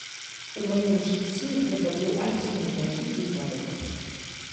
У маім жыцці гэта быў адзіны такі выпадак.